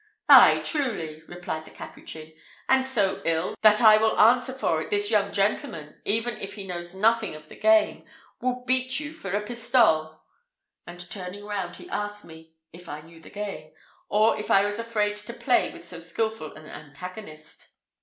"Ay, truly!" replied the Capuchin, "and so ill, that I will answer for it this young gentleman, even if he knows nothing of the game, will beat you for a pistole;" and, turning round, he asked me "if I knew the game?" or if I was afraid to play with so skilful an antagonist.